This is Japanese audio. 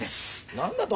何だと！？